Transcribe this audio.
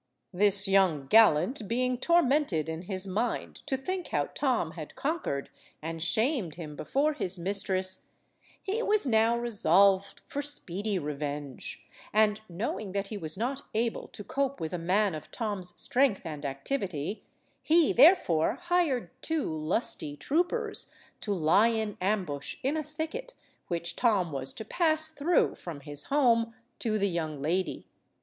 This young gallant being tormented in his mind to think how Tom had conquered and shamed him before his mistress, he was now resolved for speedy revenge, and knowing that he was not able to cope with a man of Tom's strength and activity, he, therefore, hired two lusty troopers to lie in ambush in a thicket which Tom was to pass through from his home to the young lady.